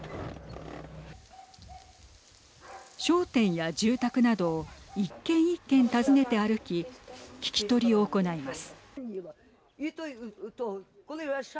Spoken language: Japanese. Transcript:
商店や住宅などを一軒一軒訪ねて歩き聞き取りを行います。